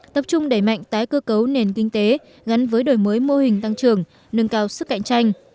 tập trung đẩy mạnh tái cơ cấu nền kinh tế gắn với đổi mới mô hình tăng trưởng nâng cao sức cạnh tranh